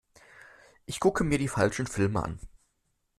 Ich gucke mir die falschen Filme an.